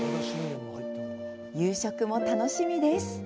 夕食も楽しみです。